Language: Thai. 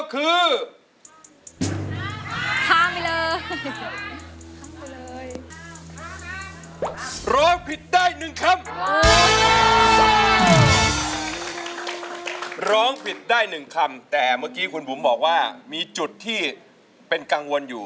เคยร้องเล่นมาบ้าง